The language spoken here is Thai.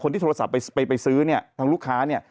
ที่โทรศัพท์ไปซื้อเนี่ยทางลูกค้าเนี่ย